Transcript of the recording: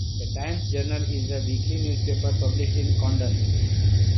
"The Times-Journal" is a weekly newspaper published in Condon.